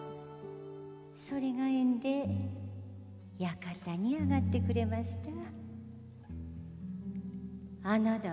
それが縁で館にあがってくれました